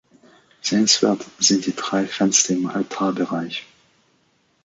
Sehenswert sind die drei Fenster im Altarbereich.